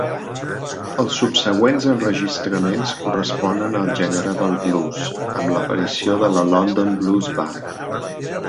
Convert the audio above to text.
Els subsegüents enregistraments corresponen al gènere del blues amb l'aparició de la London Blues Band.